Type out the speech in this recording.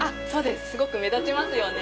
すごく目立ちますよね。